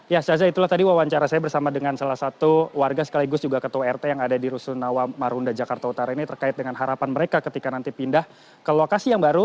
ya caca itulah tadi wawancara saya bersama dengan salah satu warga sekaligus juga ketua rt yang ada di rusun nawa marunda jakarta utara ini terkait dengan harapan mereka ketika nanti pindah ke lokasi yang baru